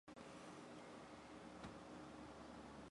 尿道交期间亦可能出现尿失禁和尿道永久性扩张的情况。